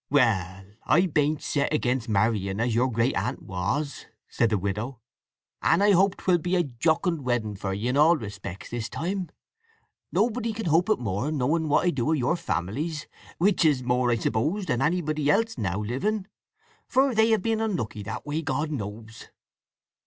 "Well, I bain't set against marrying as your great aunt was," said the widow. "And I hope 'twill be a jocund wedding for ye in all respects this time. Nobody can hope it more, knowing what I do of your families, which is more, I suppose, than anybody else now living. For they have been unlucky that way, God knows."